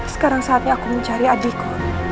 sekarang saatnya aku mencari adikku